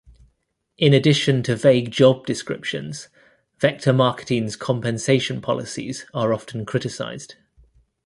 In addition to vague job descriptions, Vector Marketing's compensation policies are often criticized.